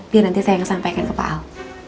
biar nanti saya yang sampaikan ke pak al